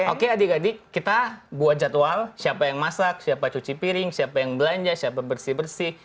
oke adik adik kita buat jadwal siapa yang masak siapa cuci piring siapa yang belanja siapa bersih bersih